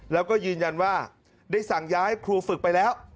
แล้วก็ยืนยันว่าได้สั่งย้ายครูฝึกไปแล้ว